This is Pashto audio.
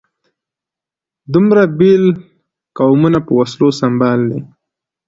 دومره بېل قومونه په وسلو سمبال دي.